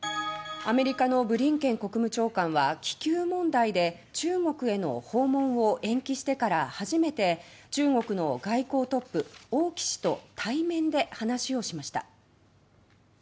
アメリカのブリンケン国務長官は気球問題で中国への訪問を延期してから初めて中国の外交トップ王毅氏と対面で話をしました。